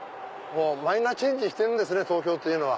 マイナーチェンジしてるんですね東京は。